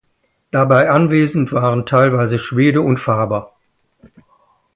Dabei anwesend waren teilweise Schwede und Faber.